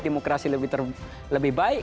demokrasi lebih baik